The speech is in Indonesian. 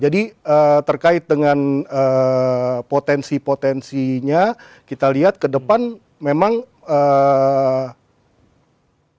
jadi terkait dengan potensi potretsyinya kita lihat kedepan memang kita tetap akan terus menjaga agar arah dari pertumbuhan ekonomi ke depannya itu sesuai dengan prestisi kita